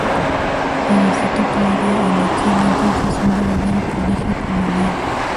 El Instituto era en aquel entonces un verdadero colegio colonial.